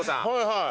はい！